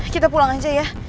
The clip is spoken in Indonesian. kita pulang aja ya